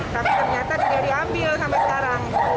tapi ternyata tidak diambil sampai sekarang